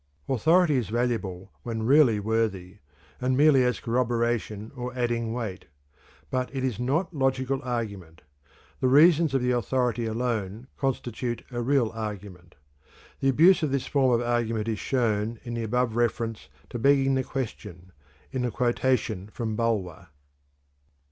Authority is valuable when really worthy, and merely as corroboration or adding weight; but it is not logical argument. The reasons of the authority alone constitute a real argument. The abuse of this form of argument is shown, in the above reference to "begging the question," in the quotation from Bulwer.